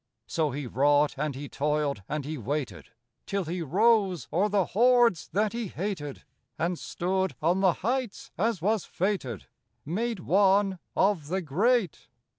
So he wrought and he toiled and he waited, Till he rose o'er the hordes that he hated, And stood on the heights, as was fated, Made one of the great.